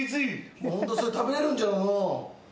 ホントそれ食べれるんじゃろうのう？